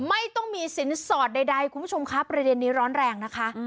ไม่ต้องมีสินสอดใดคุณผู้ชมคะประเด็นนี้ร้อนแรงนะคะ